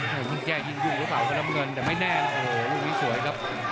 ยิ่งแก้ยิ่งยุ่งหรือเปล่าก็น้ำเงินแต่ไม่แน่นะโอ้โหลูกนี้สวยครับ